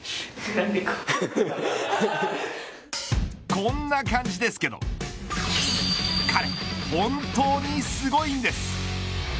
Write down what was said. こんな感じですけど彼、本当にすごいんです。